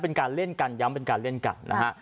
เป็นการเล่นกันย้ำเป็นการเล่นกันนะฮะ